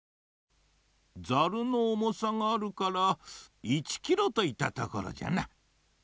ざるのおもさがあるから１キロといったところじゃな。